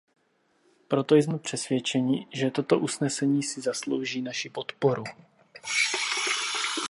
Proto jsme přesvědčeni, že toto usnesení si zaslouží naši podporu.